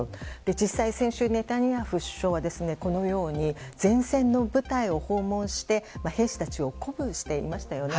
実際、先週ネタニヤフ首相はこのように前線の部隊を訪問して兵士たちを鼓舞していましたよね。